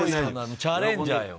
チャレンジャーよ。